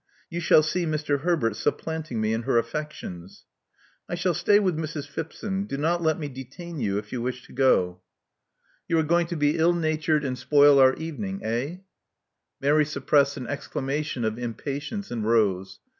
You shall see Mister Herbert supplanting me in her affections." I shall stay with Mrs. Phipson. Do not let me detain you, if you wish to go." 1 88 Love Among the Artists You are going to be ill natured and spoil oiir evening, eh?" Mary suppressed an exclamation of impatience, and rose.